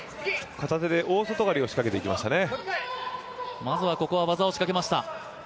片手で大外刈りを仕掛けていきましたね。